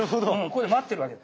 ここで待ってるわけ。